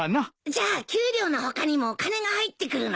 じゃあ給料の他にもお金が入ってくるの？